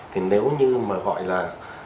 thì nếu như mà gọi là